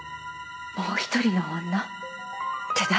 もう一人の女って誰？